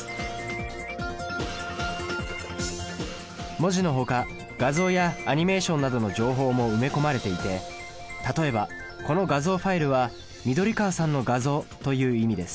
文字のほか画像やアニメーションなどの情報も埋め込まれていて例えばこの画像ファイルは「緑川さんの画像」という意味です。